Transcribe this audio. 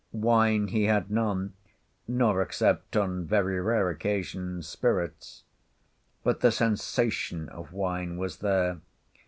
Wine he had none; nor, except on very rare occasions, spirits; but the sensation of wine was there.